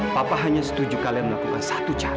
papa hanya setuju kalian melakukan satu cara